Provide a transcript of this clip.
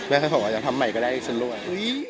แม่เค้าบอกว่าจะทำใหม่ก็ได้เลย